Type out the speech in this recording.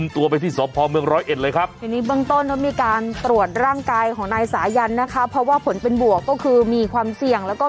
ตรง